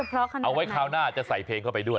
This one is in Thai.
เอาไว้คราวหน้าจะใส่เพลงเข้าไปด้วย